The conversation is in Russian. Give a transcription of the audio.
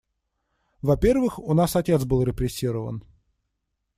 Во-первых, у нас был отец репрессирован.